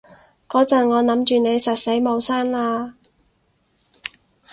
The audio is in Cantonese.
嗰陣我諗住你實死冇生喇